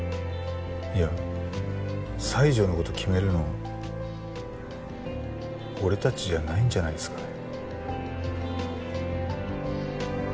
いや西条の事決めるの俺たちじゃないんじゃないですかね。